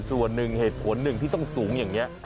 ส่วนหนึ่งเหตุผลหนึ่งที่ต้องสูงอย่างนี้